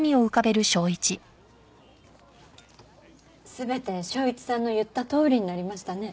全て昇一さんの言ったとおりになりましたね。